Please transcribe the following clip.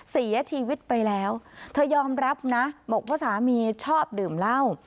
เสียชีวิตไปแล้วเธอยอมรับนะบอกว่าสามีชอบดื่มเหล้า